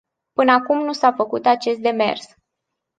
Până acum nu s-a făcut acest demers.